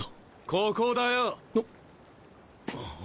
・ここだよ！・ん？